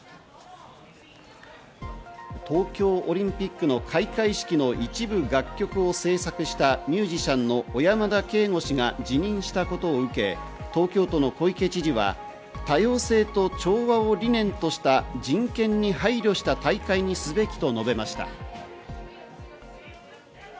東京オリンピックの開会式の一部楽曲を制作したミュージシャンの小山田圭吾氏が辞任したことを受け、東京都の小池知事は、多様性と調和を理念とした人権に配慮した大会にすべきと述べました。